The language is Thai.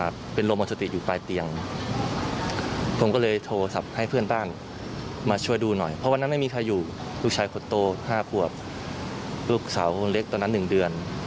คนเล็กตอนนั้นหนึ่งเดือน